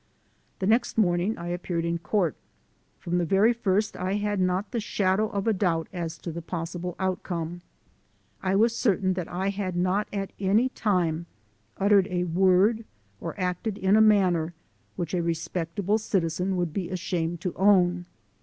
The next morning I appeared in court. From the very first I had not the shadow of a doubt as to the possible outcome. I was certain that I had not at any time uttered a word or acted in a manner which a respectable citizen would be ashamed to own.